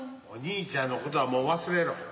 お兄ちゃんのことはもう忘れろ。